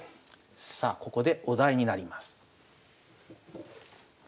さあここでお題になります。